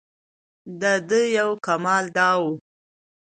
دده یو کمال دا و.